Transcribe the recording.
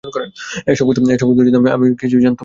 এ-সব কথা আমি কিছুই জানতুম না।